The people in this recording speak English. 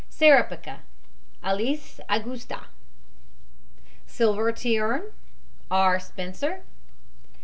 SEREPECA, ALISS AUGHSTA. SILVERTHORN, R. SPENCER.